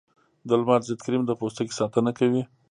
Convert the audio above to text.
د لمر ضد کریم د پوستکي ساتنه کوي